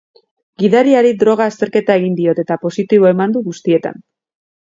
Gidariari droga azterketa egin diote, eta positibo eman du guztietan.